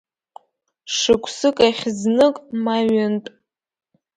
Шықәсык ахь знык, ма ҩынтә.